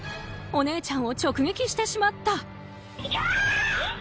お姉ちゃんを直撃してしまった。